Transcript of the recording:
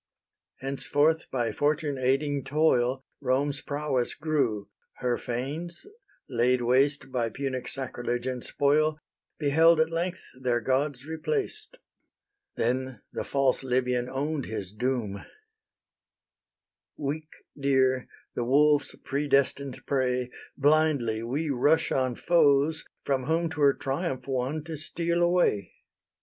Henceforth, by fortune aiding toil, Rome's prowess grew: her fanes, laid waste By Punic sacrilege and spoil, Beheld at length their gods replaced. Then the false Libyan own'd his doom: "Weak deer, the wolves' predestined prey, Blindly we rush on foes, from whom 'Twere triumph won to steal away.